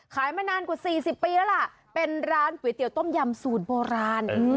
มานานกว่า๔๐ปีแล้วล่ะเป็นร้านก๋วยเตี๋ยวต้มยำสูตรโบราณ